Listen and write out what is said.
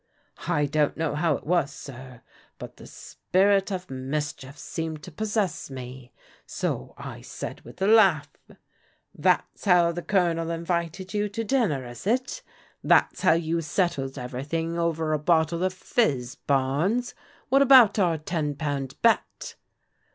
" I don't know how it was, sir, but the spirit of mis chief seemed to possess me, so I said with a laugh: 'That's how the Colonel invited you to dinner, is it? That's how you settled everything over a bottle of fizz, Barnes? What about our ten pound bet?